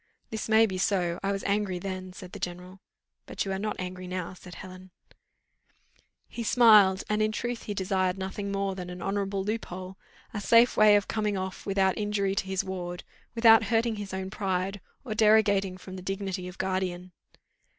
"This may be so, I was angry then," said the general. "But you are not angry now," said Helen. He smiled, and in truth he desired nothing more than an honourable loophole a safe way of coming off without injury to his ward without hurting his own pride, or derogating from the dignity of guardian.